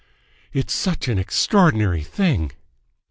"It's such an extraordinary thing."